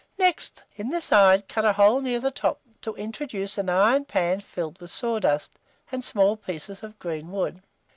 Next, in the side, cut a hole near the top, to introduce an iron pan filled with sawdust and small pieces of green wood.